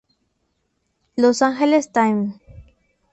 Los Angeles Times.